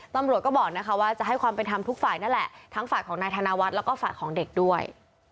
ตำรวจก็บอกนะคะว่าจะให้ความเป็นธรรมทุกฝ่ายนั่นแหละทั้งฝ่ายของนายธนวัฒน์แล้วก็ฝ่ายของเด็กด้วย